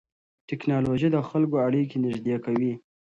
ټیکنالوژي د خلکو اړیکې نږدې کوي.